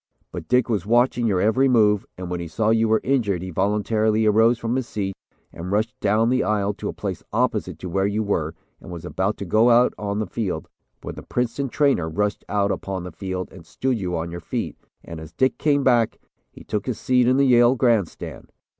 But Dick was watching your every move, and when he saw you were injured he voluntarily arose from his seat and rushed down the aisle to a place opposite to where you were and was about to go out on the field, when the Princeton trainer rushed out upon the field and stood you on your feet, and as Dick came back, he took his seat in the Yale grandstand.